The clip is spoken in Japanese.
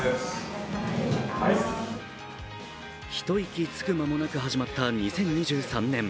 一息つく間もなく始まった２０２３年。